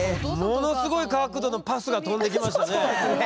ものすごい角度のパスが飛んできましたね。